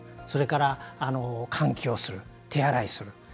それから、換気をする手洗いする。